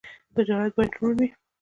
تجارت باید روڼ وي.